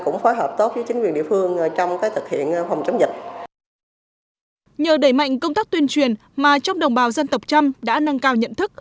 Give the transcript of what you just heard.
nhờ đẩy mạnh công tác tuyên truyền mà trong đồng bào dân tập chăm đã nâng cao nhận thức